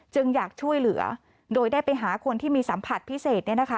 อยากช่วยเหลือโดยได้ไปหาคนที่มีสัมผัสพิเศษ